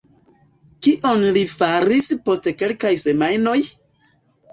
Kion li faris post kelkaj semajnoj?